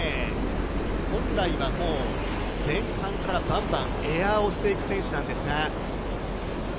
本来はもう、前半からばんばんエアーをしていく選手なんですが。